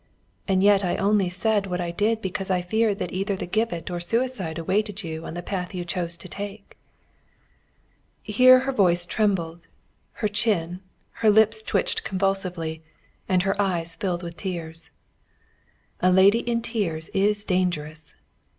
And yet I only said what I did because I feared that either the gibbet or suicide awaited you on the path you chose to take." Here her voice trembled, her chin, her lips twitched convulsively, and her eyes filled with tears. A lady in tears is dangerous!